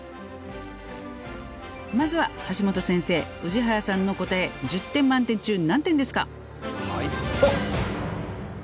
まずは橋本先生宇治原さんの答え１０点満点中何点ですか？